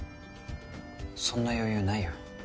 そんな余裕ないよ。